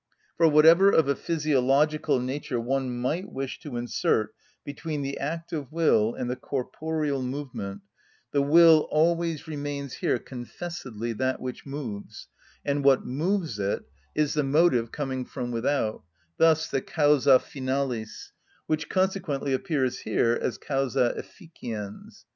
For whatever of a physiological nature one might wish to insert between the act of will and the corporeal movement, the will always remains here confessedly that which moves, and what moves it is the motive coming from without, thus the causa finalis; which consequently appears here as causa efficiens.